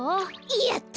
やった！